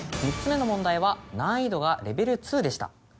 ３つ目の問題は難易度がレベル２でした。